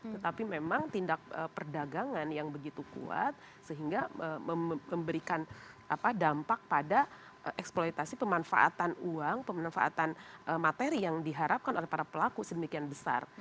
tetapi memang tindak perdagangan yang begitu kuat sehingga memberikan dampak pada eksploitasi pemanfaatan uang pemanfaatan materi yang diharapkan oleh para pelaku sedemikian besar